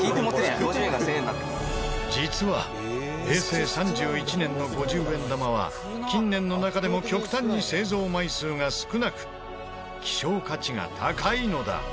実は平成３１年の５０円玉は近年の中でも極端に製造枚数が少なく希少価値が高いのだ。